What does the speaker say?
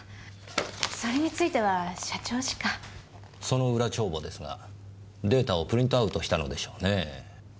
その裏帳簿ですがデータをプリントアウトしたのでしょうねぇ。